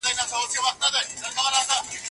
بې موخې ژوند مه کوئ.